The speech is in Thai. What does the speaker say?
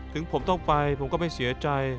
ถึงผมต้องไปผมก็ไม่เสียใจ